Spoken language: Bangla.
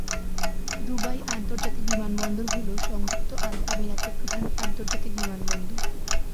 দুবাই আন্তর্জাতিক বিমানবন্দর হল সংযুক্ত আরব আমিরাতের প্রধান আন্তর্জাতিক বিমানবন্দর।